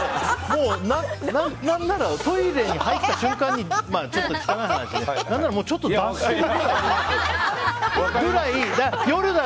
もう、何ならトイレに入った瞬間にちょっと汚い話出してるくらいの。